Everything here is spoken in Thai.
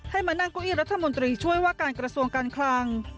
มานั่งเก้าอี้รัฐมนตรีช่วยว่าการกระทรวงการคลัง